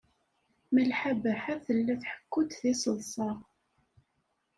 Malḥa Baḥa tella tḥekku-d tiseḍsa.